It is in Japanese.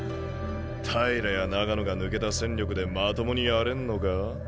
平や長野が抜けた戦力でまともにやれんのか？